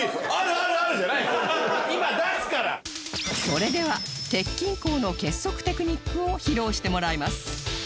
それでは鉄筋工の結束テクニックを披露してもらいます